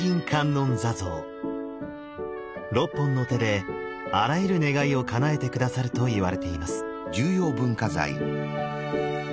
６本の手であらゆる願いをかなえて下さるといわれています。